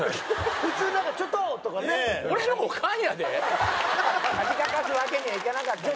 普通なんか「ちょっと！」とかね。恥かかすわけにはいかなかった。